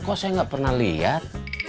kok saya nggak pernah lihat